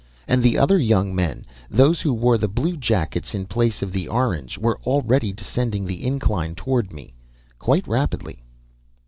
And the other young men, those who wore the blue jackets in place of the orange, were already descending the incline toward me, quite rapidly.